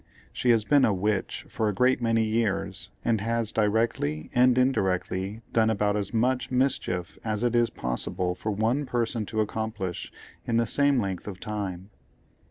She has been a "witch" for a great many years, and has, directly and indirectly, done about as much mischief as it is possible for one person to accomplish in the same length of time.